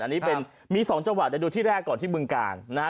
อันนี้เป็นมี๒จังหวัดแต่ดูที่แรกก่อนที่บึงกาลนะฮะ